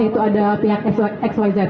itu ada pihak xyz